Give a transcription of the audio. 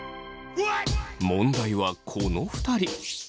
問題はこの２人。